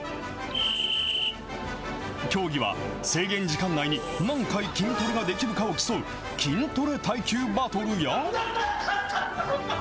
競技は、制限時間内に何回筋トレができるかを競う、筋トレ耐久バトルや。